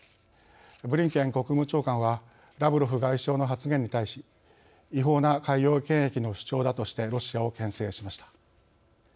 ブリンケン国務長官はラブロフ外相の発言に対し違法な海洋権益の主張だとしてロシアをけん制しました。